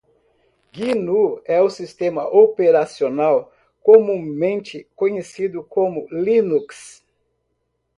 Gnu é o sistema operacional comumente conhecido como Linux.